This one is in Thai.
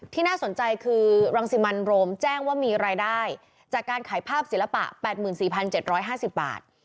น่าสนใจคือรังสิมันโรมแจ้งว่ามีรายได้จากการขายภาพศิลปะ๘๔๗๕๐บาท